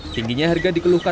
tingginya harga dikeluhkan